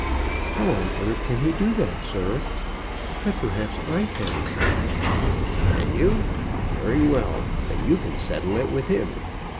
"How on earth can he do that, sir? But perhaps I can." "Can you? very well; then you can settle it with him.